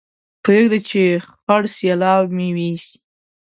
پرېږده چې خړ سېلاو مې يوسي